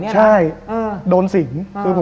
ใช่โดนสิง